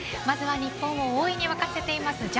まずは日本を大いに沸かせています